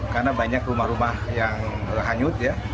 karena banyak rumah rumah yang hanyut ya